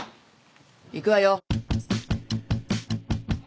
行くわよ。